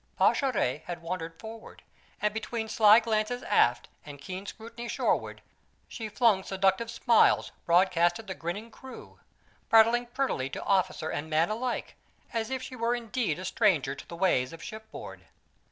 Pascherette had wandered forward, and between sly glances aft and keen scrutiny shoreward, she flung seductive smiles broadcast at the grinning crew, prattling prettily to officer and man alike, as if she were indeed a stranger to the ways of shipboard.